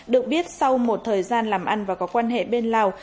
được biết sau một thời gian làm ăn và có quan hệ bên lào